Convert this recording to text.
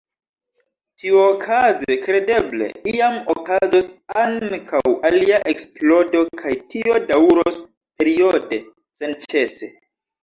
Tiuokaze, kredeble, iam okazos ankaŭ alia eksplodo kaj tio daŭros periode, senĉese.